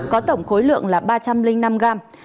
có tổng khối lượng là ba trăm linh năm gram